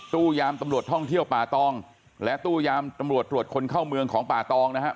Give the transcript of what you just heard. ยามตำรวจท่องเที่ยวป่าตองและตู้ยามตำรวจตรวจคนเข้าเมืองของป่าตองนะฮะ